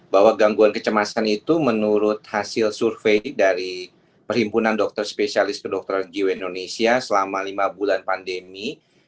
bahwa gangguan kecemasan itu menurut hasil survei dari perhimpunan dokter spesialis kedokteran jiwa indonesia selama lima bulan pandemi